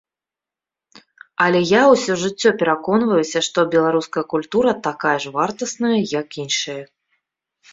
Але я ўсё жыццё пераконваюся, што беларуская культура такая ж вартасная, як іншыя.